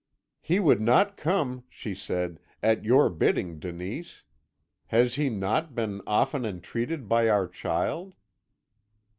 "'He would not come,' she said, 'at your bidding, Denise. Has he not been often entreated by our child?'